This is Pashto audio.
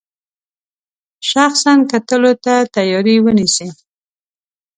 شخصا کتلو ته تیاری ونیسي.